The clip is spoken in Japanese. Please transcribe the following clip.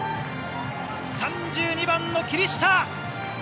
３２番の霧下！